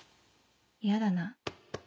嫌だな。